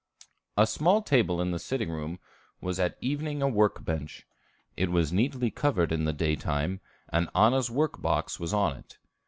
A small table in the sitting room was at evening a work bench. It was neatly covered in the daytime, and Anna's work box was on it.